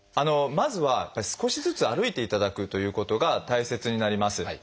まずは少しずつ歩いていただくということが大切になります。